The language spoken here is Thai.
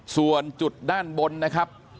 ส่วนจุดด้านบนนะครับ